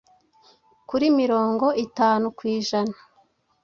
kuri mirongo itanu kwijana